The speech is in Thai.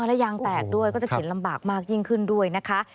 และยางแตกด้วยก็จะเข็นลำบากมากยิ่งขึ้นด้วยนะคะ